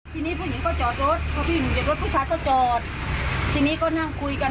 ที่นี้เหน่านางก็ไม่ยอมทีนี้ก็คุยกัน